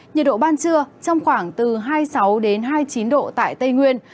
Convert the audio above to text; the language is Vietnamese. nhiệt độ ban trưa trong khoảng từ hai mươi sáu hai mươi chín độ tại tây nguyên